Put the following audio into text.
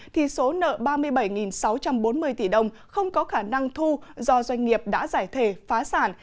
thì số nợ ba mươi bảy sáu trăm bốn mươi tỷ đồng không có khả năng thu do doanh nghiệp đã giải thể phá sản